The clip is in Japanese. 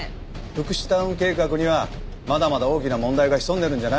福祉タウン計画にはまだまだ大きな問題が潜んでるんじゃないのか？